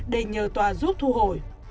để nhờ tòa giúp thu hồi